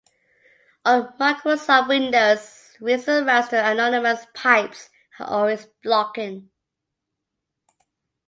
On Microsoft Windows, reads and writes to anonymous pipes are always blocking.